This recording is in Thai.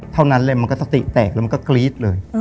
เท่านั้นเลยมันก็สติแตกแล้วมันก็กรี๊ดเลย